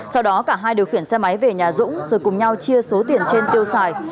sau đó cả hai điều khiển xe máy về nhà dũng rồi cùng nhau chia số tiền trên tiêu xài